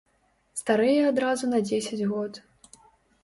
Старэе адразу на дзесяць год.